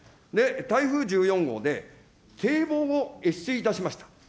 台風１４号で堤防を越水いたしました。